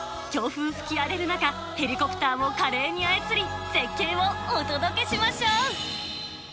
強風吹き荒れる中、ヘリコプターを華麗に操り、絶景をお届けしましょー。